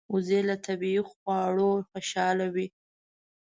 وزې له طبیعي خواړو خوشاله وي